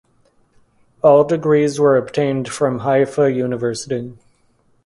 All degrees were obtained from Haifa University.